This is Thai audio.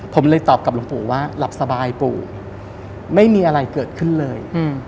ผมเลยตอบกับหลวงปู่ว่าหลับสบายปู่ไม่มีอะไรเกิดขึ้นเลย